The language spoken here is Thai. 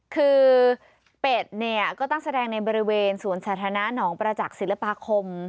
คือเป็ดเนี่ยก็ต้องแสดงในบริเวณสวนสาธารณะหนองประจักษ์ศิลปาคม